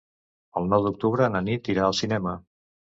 El nou d'octubre na Nit irà al cinema.